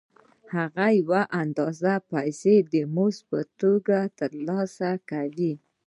هغه یوه اندازه پیسې د مزد په توګه ترلاسه کوي